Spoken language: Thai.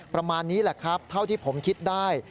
ประมาณนี้แหละครับเท่าที่ผมคิดได้